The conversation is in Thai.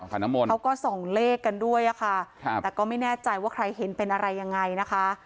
เขาก็ส่องเลขกันด้วยแล้วก็ไม่แน่ใจว่าใครเห็นเป็นอะไรยังไงนะคะ